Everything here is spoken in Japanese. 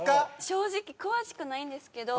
正直詳しくないんですけど。